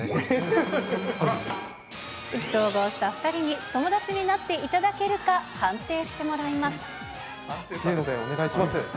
意気投合した２人に友達になっていただけるか、判定してもらいます。